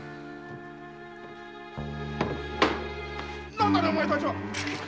何だねお前たちは！